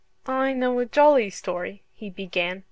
"I know a jolly story," he began.